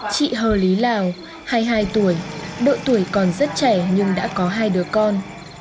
chị hờ lý lào hai mươi hai tuổi độ tuổi còn rất trẻ nhưng đã có hai đứa con